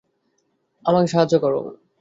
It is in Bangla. আমাকে সাহায্য করো।